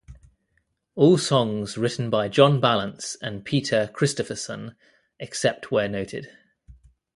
All songs written by John Balance and Peter Christopherson, except where noted.